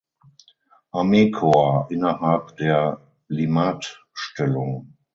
Armeekorps innerhalb der Limmatstellung.